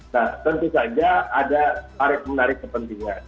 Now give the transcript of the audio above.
nah tentu saja ada tarik menarik kepentingan